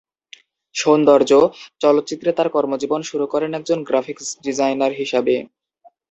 সৌন্দর্য চলচ্চিত্রে তার কর্মজীবন শুরু করেন একজন গ্রাফিক্স ডিজাইনার হিসাবে।